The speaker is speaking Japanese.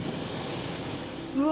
うわ！